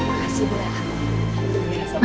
makasih bu lala